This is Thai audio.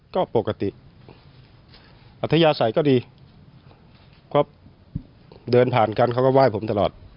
ก็ปกติอัธยาศัยก็ดีก็เดินผ่านกันเขาก็ไหว้ผมตลอด